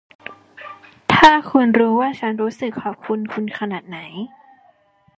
ถ้าคุณรู้ว่าฉันรู้สึกขอบคุณคุณขนาดไหน